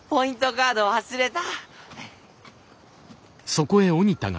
カード忘れた。